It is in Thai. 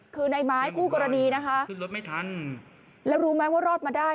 คือในไม้คู่กรณีนะคะขึ้นรถไม่ทันแล้วรู้ไหมว่ารอดมาได้